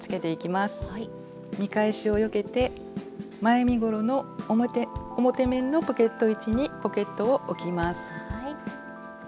見返しをよけて前身ごろの表面のポケット位置にポケットを置きます。